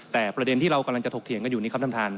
แต่ประเด็นที่เรากำลังจะถกเถียงกันอยู่นี่ครับท่านท่าน